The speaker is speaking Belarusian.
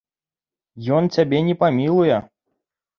Ён цябе не памілуе.